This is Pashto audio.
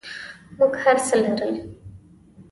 موږ هرڅه لرل.